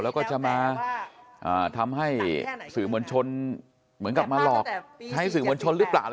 แล้วก็จะมาทำให้สื่อมวลชนเหมือนกับมาหลอกใช้สื่อมวลชนหรือเปล่า